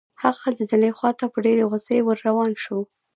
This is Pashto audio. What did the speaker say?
هغه د نجلۍ خوا ته په ډېرې غصې ور روان شو.